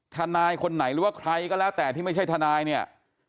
ทนายคนไหนหรือว่าใครก็แล้วแต่ที่ไม่ใช่ทนายเนี่ย